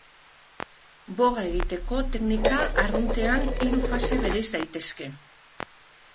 Boga egiteko teknika arruntean hiru fase bereiz daitezke.